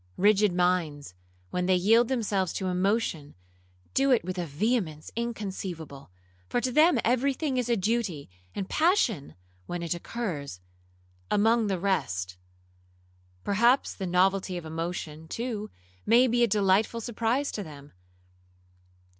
Rigid minds, when they yield themselves to emotion, do it with a vehemence inconceivable, for to them every thing is a duty, and passion (when it occurs) among the rest. Perhaps the novelty of emotion, too, may be a delightful surprise to them.